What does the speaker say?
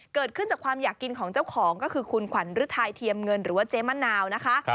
เกิดขึ้นจากความอยากกินของเจ้าของก็คือคุณขวัญฤทัยเทียมเงินหรือว่าเจ๊มะนาวนะคะ